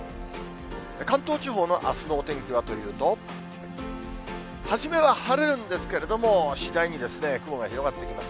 関東地方のあすのお天気はというと、初めは晴れるんですけれども、次第に雲が広がってきます。